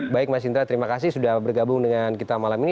baik mas indra terima kasih sudah bergabung dengan kita malam ini